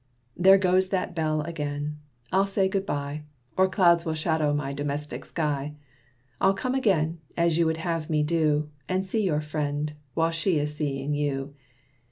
There goes that bell again! I'll say good bye, Or clouds will shadow my domestic sky. I'll come again, as you would have me do, And see your friend, while she is seeing you.